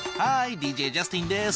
ＤＪジャスティンです。